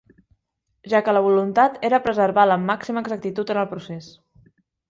Ja que la voluntat era preservar la màxima exactitud en el procés.